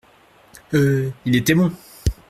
Euh ! il était bon !